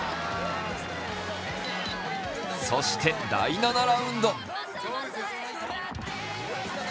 そして第７ラウンド。